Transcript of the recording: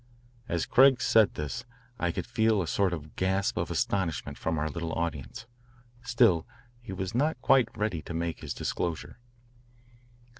As Craig said this I could feel a sort of gasp of astonishment from our little audience. Still he was not quite ready to make his disclosure.